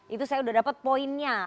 itu saya sudah dapat poinnya